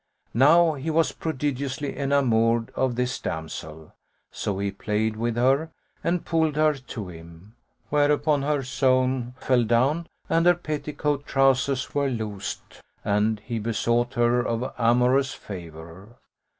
Now he was prodigiously enamoured of this damsel; so he played with her and pulled her to him, whereupon her zone fell down and her petticoat trousers were loosed and he besought her of amorous favour.